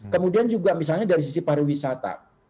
kemudian juga misalnya dari sisi pariwisata